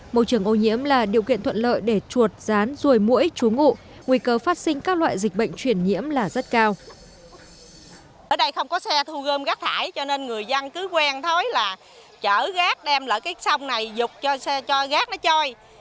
môi trường ô nhiễm là điều kiện thuận lợi để chuột rán ruồi mũi trú ngụ nguy cơ phát sinh các loại dịch bệnh truyền nhiễm là rất cao